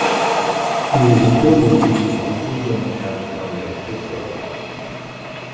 He was affiliated with the Free Democratic Party of Switzerland.